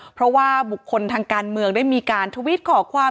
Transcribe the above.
เพราะว่าบุคคลทางการเมืองได้มีการทวิตขอความ